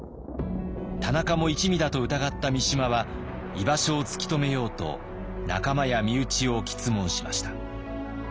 田中も一味だと疑った三島は居場所を突き止めようと仲間や身内を詰問しました。